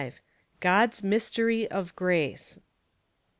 god's mystery of grace.